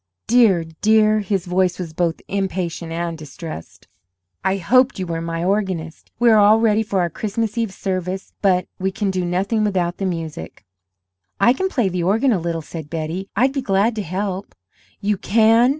"Dear, dear!" His voice was both impatient and distressed. "I hoped you were my organist. We are all ready for our Christmas eve service, but we can do nothing without the music." "I can play the organ a little," said Betty. "I'd be glad to help." "You can?